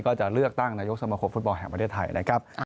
ก็จะเลือกตั้งนายกสมคมฟุตบอลแห่งประเทศไทยนะครับ